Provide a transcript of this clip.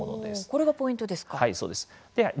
これがポイントですか。